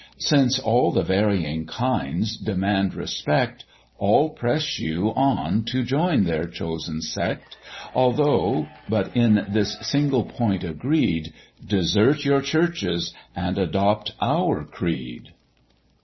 Since all the varying kinds demand respect, All press you on to join their chosen sect, Although but in this single point agreed, "Desert your churches and adopt our creed."